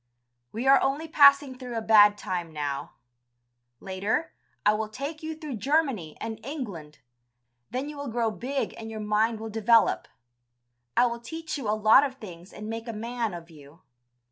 We are only passing through a bad time now; later, I will take you through Germany and England, then you will grow big and your mind will develop. I will teach you a lot of things and make a man of you.